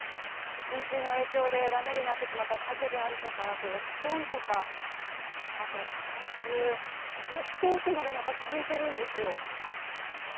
浸水の影響で駄目になってしまった家具であるとか、あとお布団とか、あとたんすずっと奥までまた続いているんですよ。